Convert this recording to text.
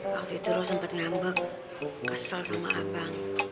waktu itu rho sempet ngambek kesel sama abang